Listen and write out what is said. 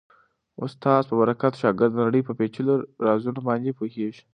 د استاد په برکت شاګرد د نړۍ په پېچلو رازونو باندې پوهېږي.